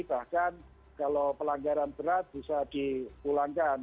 bahkan kalau pelanggaran berat bisa dipulangkan